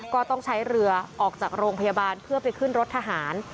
ก็ต้องใช้เรือออกจากโรงพยาบาลเพื่อไปขึ้นรถทหาร